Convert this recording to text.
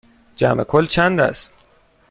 جمع کل چند است؟